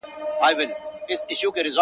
سترگي مي ړندې سي رانه وركه سې.